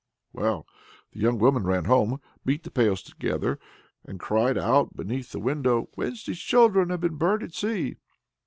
Well, the young woman ran home, beat the pails together, and cried out beneath the window: "Wednesday's children have been burnt at sea!"